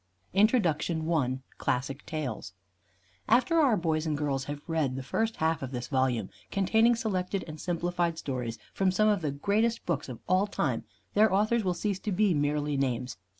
INTRODUCTION I CLASSIC TALES After our boys and girls have read the first half of this volume, containing selected and simplified stories from some of the greatest books of all time, their authors will cease to be merely names.